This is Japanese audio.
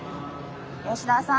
吉田さん。